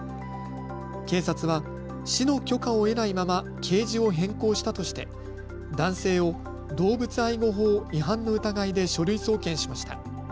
警察は市の許可を得ないままケージを変更したとして男性を動物愛護法違反の疑いで書類送検しました。